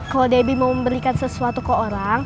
kalau debbie mau memberikan sesuatu ke orang